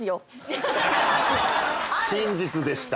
真実でした。